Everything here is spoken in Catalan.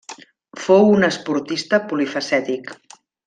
Fou un esportista polifacètic.